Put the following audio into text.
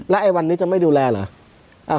ไอ้วันนี้จะไม่ดูแลเหรอ